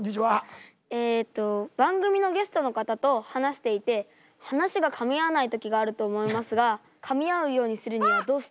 えと番組のゲストの方と話していて話がかみ合わない時があると思いますがかみ合うようにするにはどうしたらいいんですか？